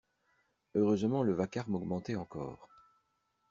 Heureusement le vacarme augmentait encore.